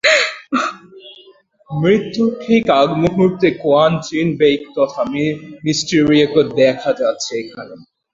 মৃত্যুর ঠিক আগমুহূর্তে Quentin bake তথা মিস্টিরিওকে দেখা যাচ্ছে এখানে।